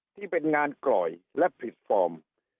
ที่เป็นงานกล่อยและผิดฟอร์ม